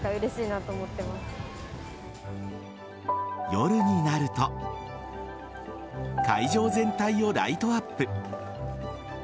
夜になると会場全体をライトアップ。